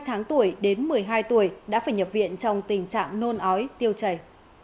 sáng tuổi đến một mươi hai tuổi đã phải nhập viện trong tình trạng nôn ói tiêu chảy